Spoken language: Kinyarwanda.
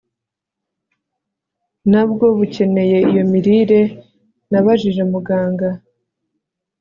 na bwo bukeneye iyo mirire Nabajije Muganga